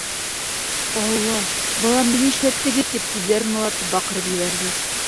— Алла, баламды ни эшләттегеҙ? — тип, күҙҙәрен алартып баҡырып ебәрҙе.